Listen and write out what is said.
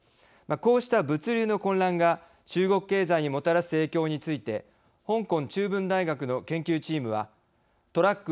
こうした物流の混乱が中国経済にもたらす影響について香港中文大学の研究チームはトラック